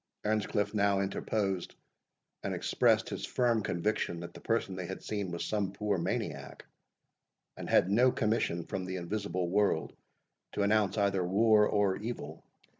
Earnscliff now interposed, and expressed his firm conviction that the person they had seen was some poor maniac, and had no commission from the invisible world to announce either war or evil.